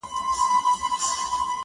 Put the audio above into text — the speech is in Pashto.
• رسوي خبري چي مقام ته د لمبو په زور,